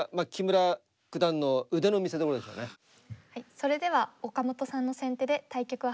それでは岡本さんの先手で対局を始めてください。